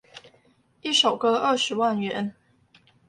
一首歌二十萬元